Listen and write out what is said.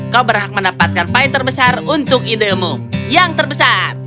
kau berhak mendapatkan pahit terbesar untuk idemu yang terbesar